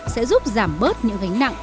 sẽ giúp giảm bớt những gánh nặng